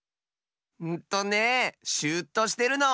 んとねシューッとしてるの！